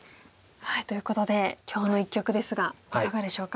ということで今日の一局ですがいかがでしょうか？